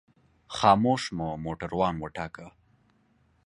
خاموش مو موټروان وټاکه.